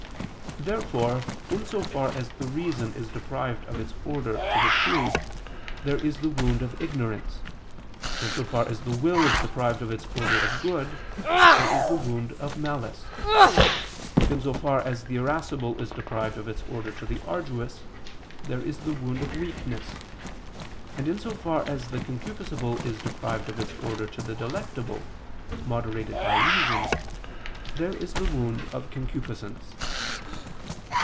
Therefore in so far as the reason is deprived of its order to the true, there is the wound of ignorance; in so far as the will is deprived of its order of good, there is the wound of malice; in so far as the irascible is deprived of its order to the arduous, there is the wound of weakness; and in so far as the concupiscible is deprived of its order to the delectable, moderated by reason, there is the wound of concupiscence.